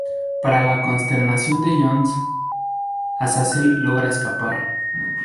Para la consternación de John, Azazel logra escapar.